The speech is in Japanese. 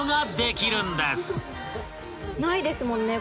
ないですもんね